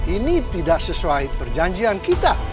ini tidak sesuai perjanjian kita